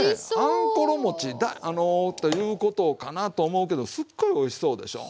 あんころ餅ということかなと思うけどすっごいおいしそうでしょ。